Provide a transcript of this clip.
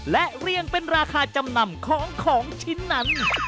และเรียงเป็นราคาจำนำของของชิ้นนั้น